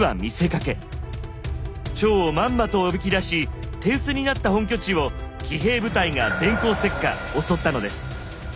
趙をまんまとおびき出し手薄になった本拠地を騎兵部隊が電光石火襲ったのです。